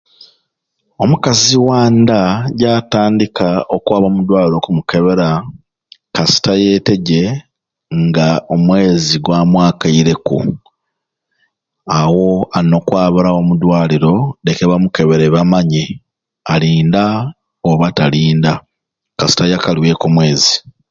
Omukazi wa nda gyatandika okwaba omu dwaliro okumukebera kasita yeteje nga omwezi gwamwakaireku awo ayina okwabirawo omu dwaliro leke bamukebere bamanye ali nda oba tali nda kasita ayakalweku omwezi